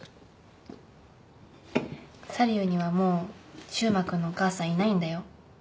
サリューにはもう柊磨君のお母さんいないんだよ。